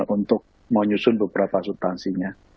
untuk menyusun beberapa subtansinya